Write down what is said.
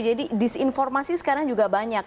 jadi disinformasi sekarang juga banyak